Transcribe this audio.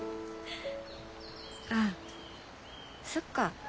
あそっか。